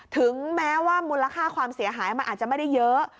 ถึงแม้ว่ามูลค่าความเสียหายมันอาจจะไม่ได้เยอะ